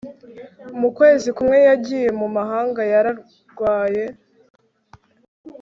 mu kwezi kumwe yagiye mu mahanga, yararwaye